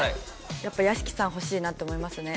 やっぱり屋敷さん欲しいなって思いますね。